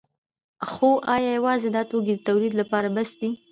خو ایا یوازې دا توکي د تولید لپاره بس دي؟